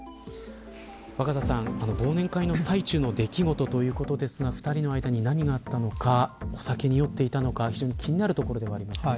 若狭さん、忘年会の最中の出来事ということですが２人の間に何があったのかお酒に酔っていたのか非常に気になるところではあります。